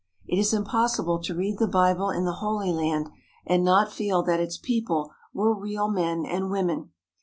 It is impossible to read the Bible in the Holy Land and not feel that its people were real men and women.